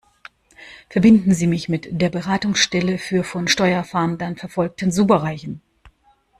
Verbinden Sie mich mit der Beratungsstelle für von Steuerfahndern verfolgten Superreichen!